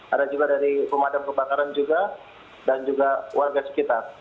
ada juga dari pemadam kebakaran juga dan juga warga sekitar